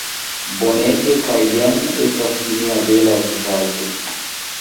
Bonege kaj jen estas mia bela vizaĝo